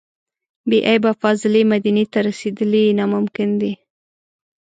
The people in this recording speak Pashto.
بې عیبه فاضلې مدینې ته رسېدل ناممکن دي.